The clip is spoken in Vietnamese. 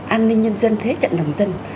an ninh nhân dân thế trận nồng dân